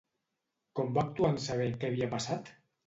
Com va actuar en saber què havia passat?